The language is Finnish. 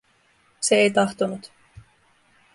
Se ei tahtonut.